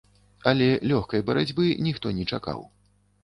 Але лёгкай барацьбы ніхто не чакаў.